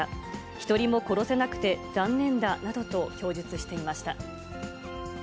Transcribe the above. １人も殺せなくて残念だなどと供述していました。